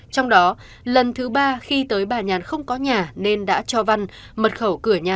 trong đó lần thứ ba khi tới bà nhàn không có nhà nên đã cho văn mật khẩu cửa nhà